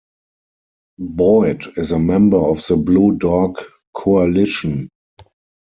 Boyd is a member of the Blue Dog Coalition.